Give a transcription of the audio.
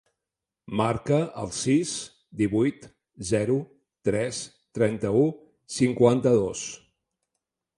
Marca el sis, divuit, zero, tres, trenta-u, cinquanta-dos.